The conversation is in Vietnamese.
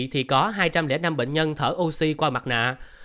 thì có hai trăm linh năm bệnh nhân thở oxy qua mặt nạ